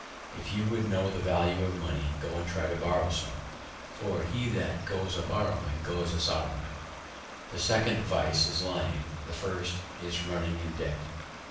If you would know the Value of Money, go and try to borrow some; for, he that goes a borrowing goes a sorrowing. The second Vice is Lying, the first is running in Debt.